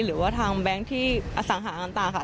หรือว่าทางแบงค์ที่อสังหาน้ำตาค่ะ